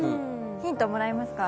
ヒントをもらいますか。